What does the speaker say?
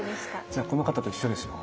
じゃあこの方と一緒ですよ。